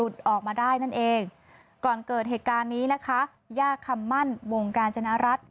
ตอนเกิดเหตุการณ์นี้นะคะย่าคำมั่นวงการจรรย์รัฐ